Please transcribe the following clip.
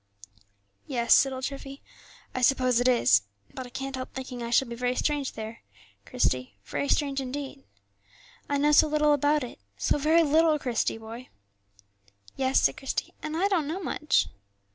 "Yes," said old Treffy, "I suppose it is; but I can't help thinking I shall be very strange there, Christie, very strange indeed. I know so little about it, so very little, Christie, boy." "Yes," said Christie, "and I don't know much."